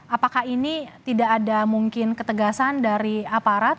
apakah ini tidak ada mungkin ketegasan dari aparat